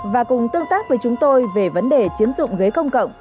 và cùng tương tác với chúng tôi về vấn đề chiếm dụng ghế công cộng